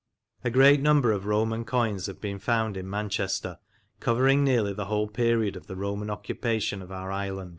A great number of Roman coins have been found in Manchester, covering nearly the whole period of the Roman occupation of our island.